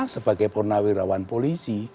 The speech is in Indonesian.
sebagai warna wirawan polisi